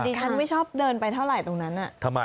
อันนี้ฉันไม่ชอบเดินไปเท่าไหร่ตรงนั้นทำไม